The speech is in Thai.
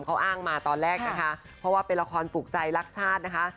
เขาอ้างมาตอนแรกนะคะเพราะว่าเป็นละครปลูกใจรักชาตินะคะ